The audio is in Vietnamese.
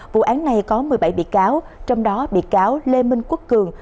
vụ án này có một mươi bảy bị cáo trong đó bị cáo lê minh quốc cường